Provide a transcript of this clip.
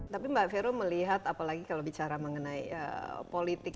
tapi mbak vero melihat apalagi kalau bicara mengenai politik